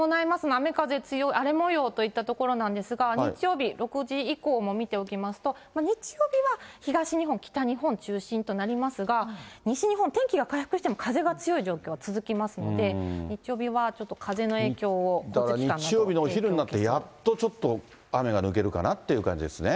雨風強い、荒れもようといったところなんですが、日曜日、６時以降も見ておきますと、日曜日は東日本、北日本、中心となりますが、西日本、天気が回復しても風が強い状況、続きますので、日曜日はちょっと風の影響をだから日曜日のお昼になって、やっとちょっと雨が抜けるかなって感じですね。